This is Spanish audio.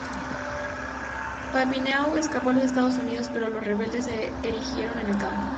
Papineau escapó a los Estados Unidos, pero los rebeldes se erigieron en el campo.